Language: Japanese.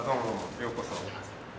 ようこそ。